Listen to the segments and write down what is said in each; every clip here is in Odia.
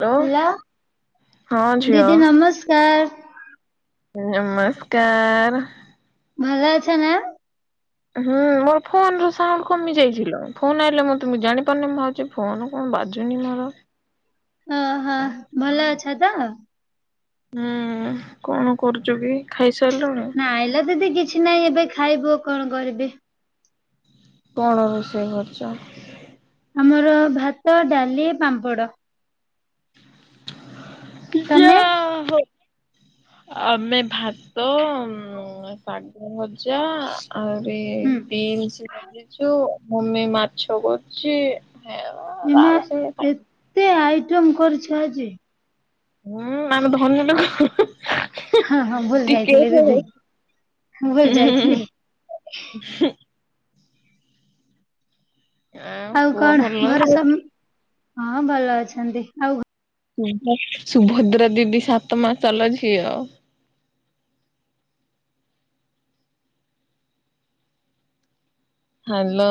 ହ୍ୟାଲୋ ଲ ହଁ ଝିଅ ଦିଦି ନମସ୍କାର। ନମସ୍କାର। ଭଲ ଅଛ ନା? ହୁଁ ମୋର ଫୋନ୍ ରୁ ସାଉଣ୍ଡ୍ କମି ଯାଇଛି ଲୋ। ଫୋନ୍ ଆଇଲେ ମତେ ମୁଁ ତ ଜାଣି ପାରୁନି। ମୁଁ ଭାବୁଚି ଫୋନ୍ କଣ ବାଜୁନି ମୋର। ଅହ ଭଲ ଅଛ ତ? ହୁଁ। କଣ କରୁଚୁ କି ଖାଇସାରଲୁଣି? ନାଇଁ ଲୋ ଦିଦି କିଛି ନାଇଁ ଏବେ ଖାଇବୁ କଣ କରିବି। କଣ ରୋଷେଇ କରିଚ? ଆମର ଭାତ, ଡାଲି, ପାମ୍ପଡ଼। କି ଯା ତମେ? ହଉ। ଆମେ ଉଁ ଭାତ, ଶାଗ ଭଜା ଆହୁରି ହୁଁ ବିନ୍ସ ଭାଜିଚୁ ଭୂମି ମାଛ କରୁଚି ହେଆ ଏ ମା ଏତେ ଆଇଟମ୍ କରିଛ ଆଜି? ହୁଁ ଆମେ ଧନୀ ଲୋକ। ହଁ ହଁ ଭୁଲ୍ ଟିକେ ଯାଇଥିଲି ଦିଦି ଭୁଲ୍ ହୁଁ ଯାଇଥିଲି। ଆଉ ପୁଅ କଣ ଭଲ ଘରେ ଅଛି? ସମ୍ ହଁ ଭଲ ଅଛନ୍ତି। ଆଉ ସୁଭ ସୁଭଦ୍ରା ଦିଦି ସାତ ମାସ ଲ ଝିଅ। ହାଲୋ।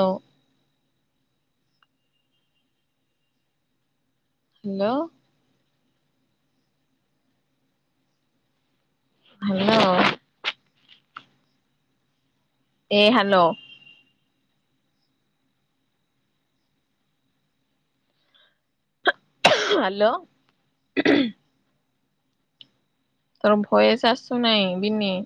ଲ ହାଲୋ। ଏ ହାଲୋ। ହାଲୋ। ତୋର ଭଏସ୍ ଆସୁନାହିଁ ବିନି।